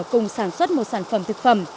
cùng sản xuất một sản phẩm thực phẩm